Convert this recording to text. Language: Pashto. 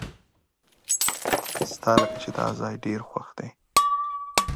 ستالکه چې داځای ډیر خوښ دی .